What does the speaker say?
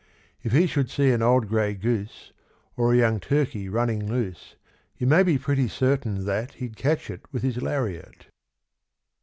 If he should see an old grey goose Or a young turkey running loose, You may be pretty certain that He'd catch it with his lariat.